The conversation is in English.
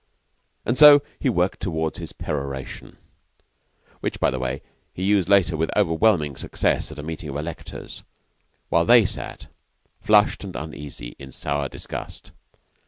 And so he worked towards his peroration which, by the way, he used later with overwhelming success at a meeting of electors while they sat, flushed and uneasy, in sour disgust.